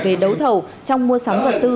về đấu thầu trong mua sắm vật tư